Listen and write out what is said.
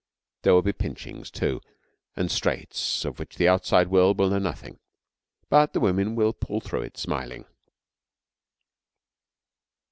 There will be pinchings too, and straits of which the outside world will know nothing, but the women will pull it through smiling.